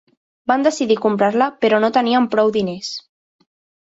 Van decidir comprar-la però no tenien prou diners.